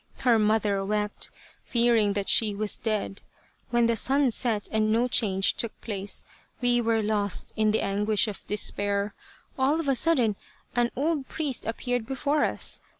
Her mother wept, fearing that she was dead. When the sun set and no change took place, we were lost in the anguish of despair. All of a sudden an old priest appeared before us.